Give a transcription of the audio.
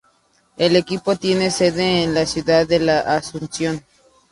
El equipo tiene sede en la ciudad de La Asunción.